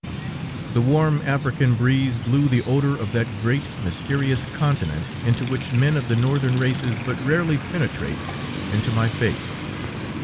The warm African breeze blew the odor of that great, mysterious continent into which men of the Northern races but rarely penetrate, into my face.